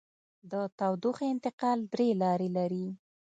د تودوخې انتقال درې لارې لري.